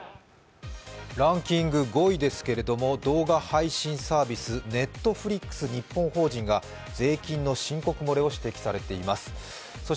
ランキング５位ですけれども動画配信サービスＮｅｔｆｌｉｘ日本法人が税金の申告漏れを指摘されています。